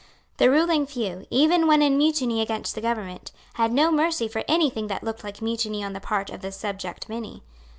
The ruling few, even when in mutiny against the government, had no mercy for any thing that looked like mutiny on the part of the subject many.